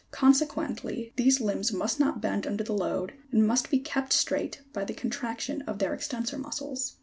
Con sequently these limbs must not bend under the load, and must be kept straight by the contraction of their extensor muscles.